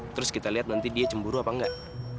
terus kita lihat nanti dia cemburu apa enggak